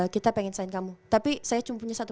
kita pengen sign kamu tapi saya cuma punya satu